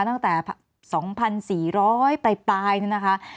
ตั้งแต่๒๔๐๐ปลายนี่นะคะ